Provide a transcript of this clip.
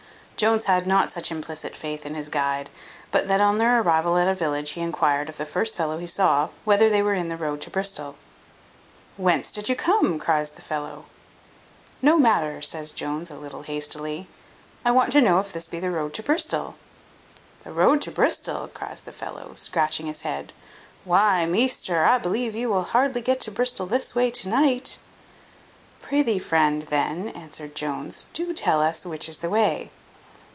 Jones had not such implicit faith in his guide, but that on their arrival at a village he inquired of the first fellow he saw, whether they were in the road to Bristol. "Whence did you come?" cries the fellow. "No matter," says Jones, a little hastily; "I want to know if this be the road to Bristol?" "The road to Bristol!" cries the fellow, scratching his head: "why, measter, I believe you will hardly get to Bristol this way to night." "Prithee, friend, then," answered Jones, "do tell us which is the way."